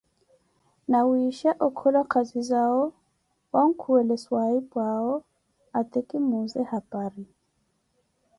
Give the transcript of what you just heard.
nawisha okhola khazizao wankhuwele swaahipu awo ate kimuuze hapari.